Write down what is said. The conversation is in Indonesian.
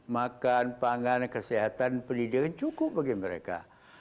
makan pangan kesehatan pendidikan cukup bagi mereka